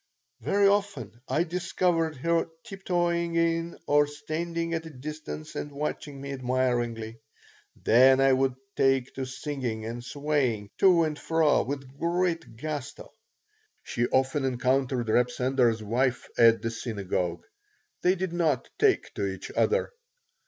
Very often I discovered her tiptoeing in or standing at a distance and watching me admiringly. Then I would take to singing and swaying to and fro with great gusto. She often encountered Reb Sender's wife at the synagogue. They did not take to each other.